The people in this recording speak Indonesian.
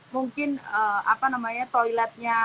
mungkin apa namanya toiletnya